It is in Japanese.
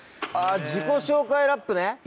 あ自己紹介ラップね！